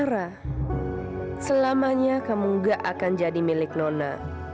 selamanya kamu gak akan jadi milik nona